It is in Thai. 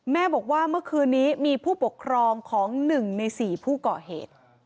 แม่บอกว่าเมื่อคืนนี้มีผู้ปกครองของ๑ใน๔ผู้ก่อเหตุ